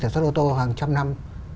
sản xuất ô tô hàng trăm năm